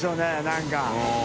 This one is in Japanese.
何か。